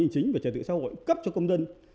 hành chính và trật tự xã hội cấp cho công dân